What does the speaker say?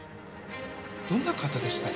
どんな方でした？